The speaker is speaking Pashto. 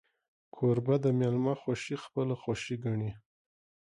کوربه د میلمه خوښي خپله خوښي ګڼي.